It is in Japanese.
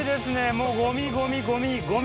もうごみごみごみ。